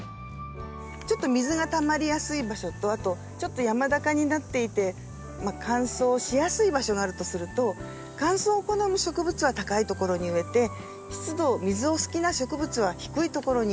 ちょっと水がたまりやすい場所とあとちょっと山高になっていて乾燥しやすい場所があるとすると乾燥を好む植物は高い所に植えて湿度水を好きな植物は低い所に植えて。